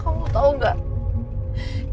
kamu tau gak